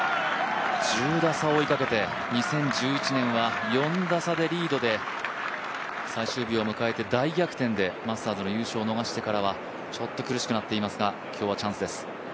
１０打差追いかけて２０１１年は４打差でリードで最終日を迎えて大逆転でマスターズの優勝を逃してからはちょっと苦しくなっていますが、今日はチャンスです。